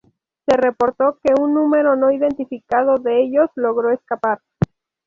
Se reportó que un número no identificado de ellos logró escapar.